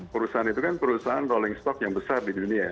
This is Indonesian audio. perusahaan itu kan perusahaan rolling stock yang besar di dunia ya